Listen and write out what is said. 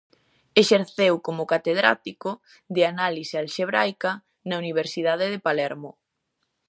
Exerceu como catedrático de Análise Alxébrica na Universidade de Palermo.